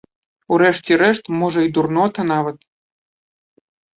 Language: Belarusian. У рэшце рэшт, можа і дурнота нават!